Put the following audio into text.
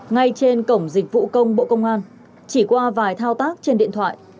ngay trên cổng dịch vụ công bộ công an chỉ qua vài thao tác trên điện thoại